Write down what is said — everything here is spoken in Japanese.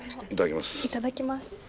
いただきます。